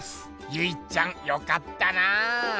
ゆいっちゃんよかったな。